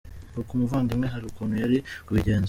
Ngo nk’umuvandimwe hari ukuntu yari kubigenza.